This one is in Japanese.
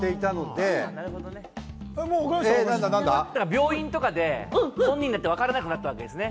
病院とかで本人だとわからなくなったわけですね。